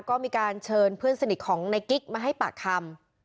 ก็มีการเชิญเพื่อนสนิทของในกิ๊กมาให้ปากคำ